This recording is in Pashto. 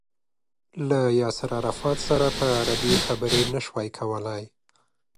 له ياسر عرفات سره په عربي خبرې نه شوای کولای.